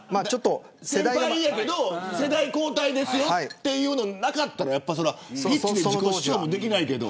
先輩やけど世代交代ですよ、というのなかったら、ピッチで自己主張もできないけど。